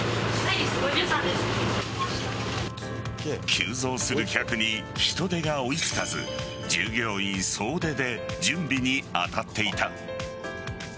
急増する客に人手が追いつかず従業員総出で準備に当たっていた。